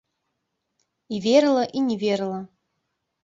І верыла і не верыла.